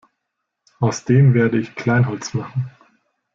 Aus dem werde ich Kleinholz machen!